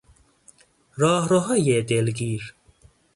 راهروهای دلگیر